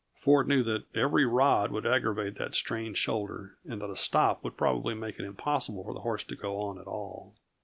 Ford knew that every rod would aggravate that strained shoulder and that a stop would probably make it impossible for the horse to go on at all.